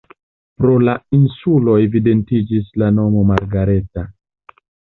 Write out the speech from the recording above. Pro la insulo evidentiĝis la nomo Margareta.